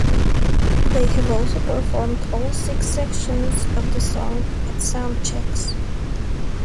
They have also performed all six sections of the song at sound checks.